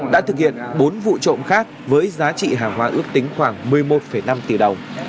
đã thực hiện bốn vụ trộm khác với giá trị hàng hóa ước tính khoảng một mươi một năm tỷ đồng